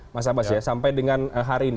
mas abbas ya sampai dengan hari ini